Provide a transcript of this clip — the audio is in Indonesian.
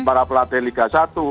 para pelatih liga satu